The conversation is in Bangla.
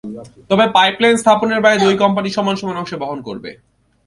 তবে পাইপলাইন স্থাপনের ব্যয় দুই কোম্পানি সমান সমান অংশে বহন করবে।